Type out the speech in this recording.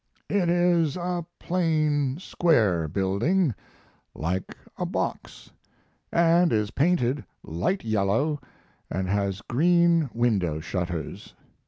It is a plain, square building, like a box, & is painted light yellow & has green window shutters.